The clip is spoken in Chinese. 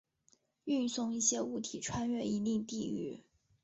运送一些物体穿越一定地域。